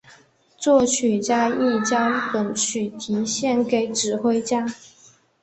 作曲家亦将本曲题献给指挥家。